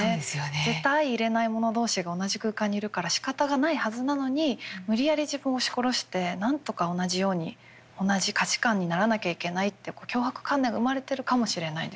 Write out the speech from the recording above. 絶対相いれない者同士が同じ空間にいるからしかたがないはずなのに無理やり自分を押し殺してなんとか同じように同じ価値観にならなきゃいけないって強迫観念が生まれてるかもしれないですよね。